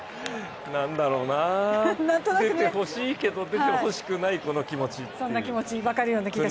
なんだろうな、出てほしいけど、出てほしくないこの気持ち。